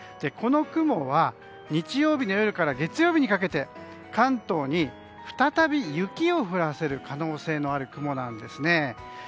この雲は日曜日の夜から月曜日にかけて関東に再び雪を降らせる可能性のある雲なんです。